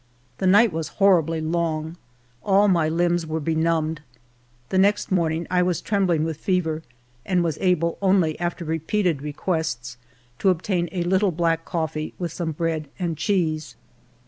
The night was horribly long ; all my limbs were benumbed. The next morn ing I was trembling with fever, and was able, only after repeated requests, to obtain a little black cof fee, with some bread and cheese.